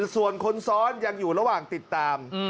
ส่วนคนซ้อนยังอยู่ระหว่างติดตาม